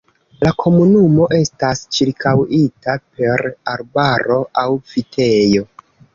La komunumo estas ĉirkaŭita per arbaro aŭ vitejo.